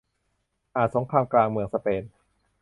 อ่าน สงครามกลางเมืองสเปน